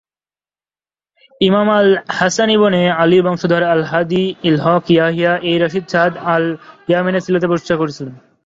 ইমাম হাসান ইবনে আলীর বংশধর আল-হাদী ইল-হক-ইয়াহইয়া এই রাশিদ রাষ্ট্রটি সা'দ, আল-ইয়ামানের সিলেটে প্রতিষ্ঠা করেছিলেন।